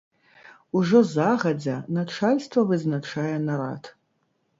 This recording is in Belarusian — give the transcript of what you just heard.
Ужо загадзя начальства вызначае нарад.